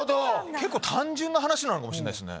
結構単純な話なのかもしれないですね。